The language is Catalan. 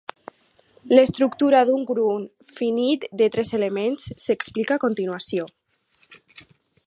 L'estructura d'un grup finit de tres elements s'explica a continuació.